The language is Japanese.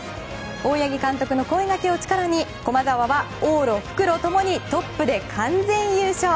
大八木監督の声がけを力に駒澤は往路・復路ともにトップで完全優勝。